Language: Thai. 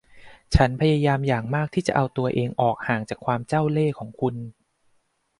ฉันพยายามอย่างมากที่จะเอาตัวเองออกห่างจากความเจ้าเล่ห์ของคุณ